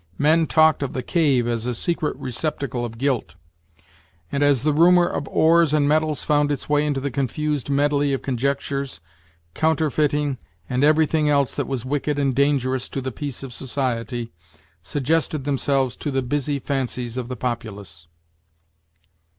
Men talked of the cave as a secret receptacle of guilt; and, as the rumor of ores and metals found its way into the confused medley of conjectures, counterfeiting, and everything else that was wicked and dangerous to the peace of society, suggested themselves to the busy fancies of the populace.